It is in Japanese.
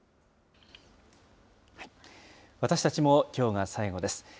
私たちもきょうが最後です。